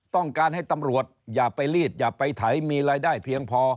ต้องการให้ตำรวจอย่าไปรีดอย่าไปไถมีรายได้เพียงพอ